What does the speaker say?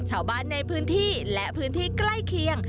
ชาวบ้านในพื้นที่และพื้นที่ใกล้เคียง